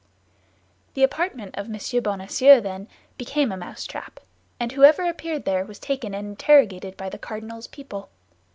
The apartment of M. Bonacieux, then, became a mousetrap; and whoever appeared there was taken and interrogated by the cardinal's people.